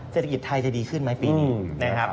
เศรษฐกิจไทยจะดีขึ้นไหมปีนี้นะครับ